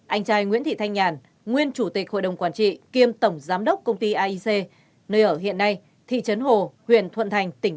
anh trai nguyễn thị thanh nhàn nguyên chủ tịch hội đồng quản trị